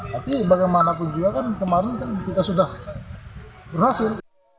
tapi bagaimanapun juga kan kemarin kan kita sudah berhasil